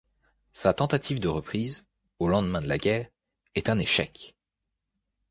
Sa tentative de reprise, au lendemain de la guerre, est un échec.